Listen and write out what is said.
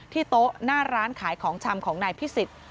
โต๊ะหน้าร้านขายของชำของนายพิสิทธิ์